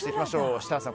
設楽さん